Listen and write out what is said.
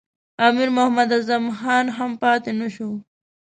امیر محمد اعظم خان هم پاته نه شو.